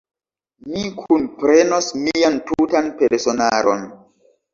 Mi kunprenos mian tutan personaron.